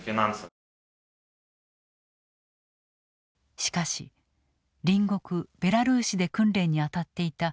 しかし隣国ベラルーシで訓練に当たっていた去年２月２３日